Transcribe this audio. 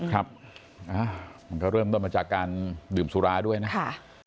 ครับมันก็เริ่มต้นมาจากการดื่มสุราด้วยนะครับ